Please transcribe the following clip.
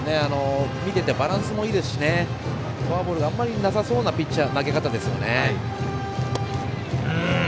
見ていてバランスもいいですしフォアボール、あまりなさそうな投げ方ですよね。